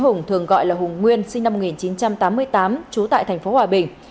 hùng thường gọi là hùng nguyên sinh năm một nghìn chín trăm tám mươi tám trú tại thành phố hòa bình